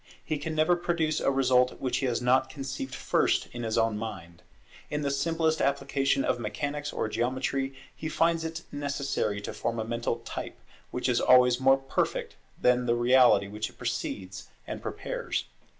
He can never produce a result which he has not conceived first in his own mind. In the simplest application of mechanics or geometry he finds it necessary to form a mental type, which is always more perfect than the reality which it precedes and prepares.